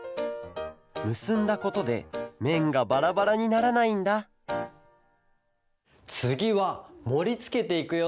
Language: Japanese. むすんだことでめんがバラバラにならないんだつぎはもりつけていくよ。